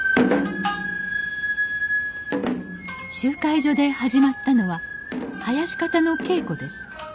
集会所で始まったのは囃子方の稽古です。